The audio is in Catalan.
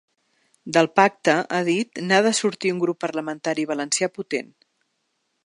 Del pacte, ha dit, n’ha de sortir un grup parlamentari valencià potent.